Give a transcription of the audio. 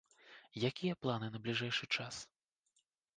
Якія планы на бліжэйшы час?